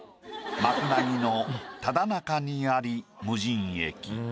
「まくなぎのただ中にあり無人駅」。